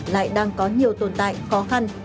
lại đang có nhiều tồn tại khó khăn